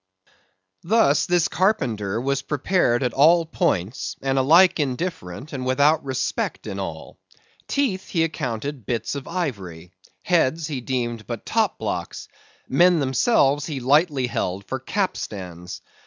Thus, this carpenter was prepared at all points, and alike indifferent and without respect in all. Teeth he accounted bits of ivory; heads he deemed but top blocks; men themselves he lightly held for capstans.